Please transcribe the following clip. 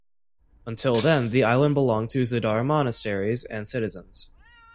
Until then the island belonged to Zadar monasteries and citizens.